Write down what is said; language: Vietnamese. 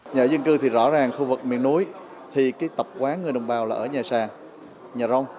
nhà dân cư thì rõ ràng khu vực miền núi thì tập quán người đồng bào là ở nhà sàng nhà rong